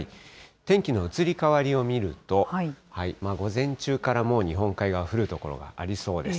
天気の移り変わりを見ると、午前中からもう日本海側、降る所がありそうです。